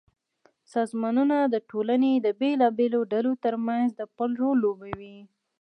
سازمانونه د ټولنې د بېلابېلو ډلو ترمنځ د پُل رول لوبوي.